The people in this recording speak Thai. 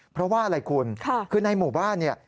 เพราะว่าอะไรคุณคือในหมู่บ้านเนี่ย